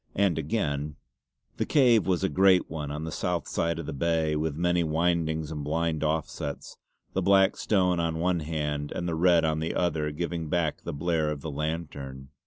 And again: "'The Cave was a great one on the south side of the Bay with many windings and blind offsets.... 'The black stone on one hand and the red on the other giving back the blare of the lantern.'"